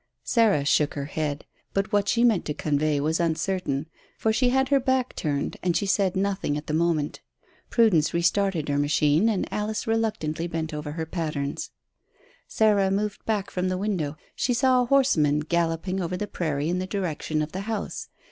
Sarah shook her head; but what she meant to convey was uncertain, for she had her back turned and she said nothing at the moment. Prudence restarted her machine and Alice reluctantly bent over her patterns. Sarah moved back from the window. She saw a horseman galloping over the prairie in the direction of the house.